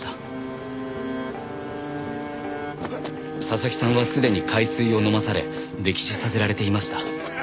佐々木さんはすでに海水を飲まされ溺死させられていました。